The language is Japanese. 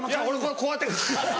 こうやって。